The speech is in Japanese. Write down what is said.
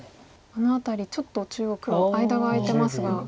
あの辺りちょっと中央黒間が空いてますが。